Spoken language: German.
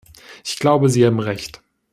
Ich glaube, Sie haben Recht.